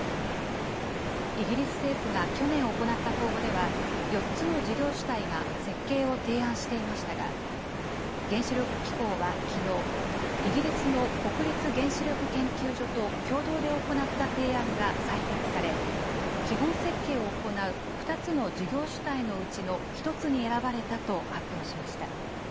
イギリス政府が去年行った公募では、４つの事業主体が設計を提案していましたが、原子力機構はきのう、イギリスの国立原子力研究所と共同で行った提案が採択され、基本設計を行う２つの事業主体のうちの１つに選ばれたと発表しました。